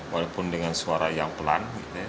walaupun dengan suara yang pelan